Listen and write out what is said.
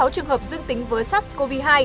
theo nhà khoa học bé